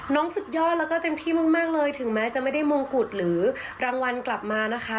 สุดยอดแล้วก็เต็มที่มากเลยถึงแม้จะไม่ได้มงกุฎหรือรางวัลกลับมานะคะ